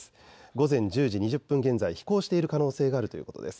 午前１０時２０分現在、飛行している可能性があるということです。